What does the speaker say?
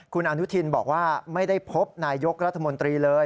คุณอนุทินบอกว่าไม่ได้พบนายยกรัฐมนตรีเลย